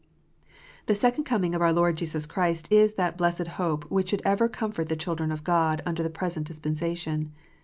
The second coming of our Lord Jesus Christ is that blessed hope which should ever comfort the children of God under the present dispensation.